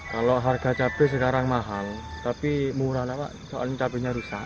kalau harga cabai sekarang mahal tapi murah lah pak soalnya cabainya rusak